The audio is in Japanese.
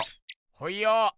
ほいよ。